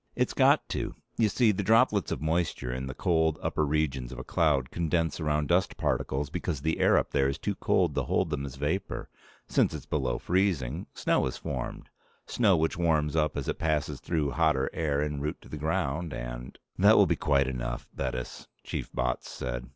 It's got to. You see, the droplets of moisture in the cold upper regions of a cloud condense around dust particles because the air up there is too cold to hold them as vapor. Since it's below freezing, snow is formed snow which warms up as it passes through hotter air en route to the ground, and " "That will be quite enough, Bettis," Chief Botts said.